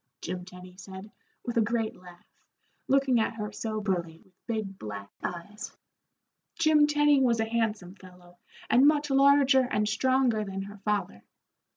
Jim Tenny said, with a great laugh, looking at her soberly, with big black eyes. Jim Tenny was a handsome fellow, and much larger and stronger than her father.